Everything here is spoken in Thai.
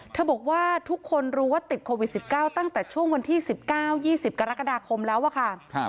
บอกว่าทุกคนรู้ว่าติดโควิด๑๙ตั้งแต่ช่วงวันที่๑๙๒๐กรกฎาคมแล้วอะค่ะ